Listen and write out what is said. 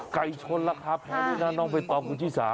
ไก่ชนราคาแพงด้วยนะน้องใบตองคุณชิสา